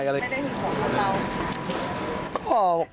ไม่ได้หินของเรา